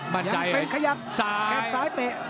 มั่นใจขยับแขกสายเตะ